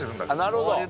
なるほど。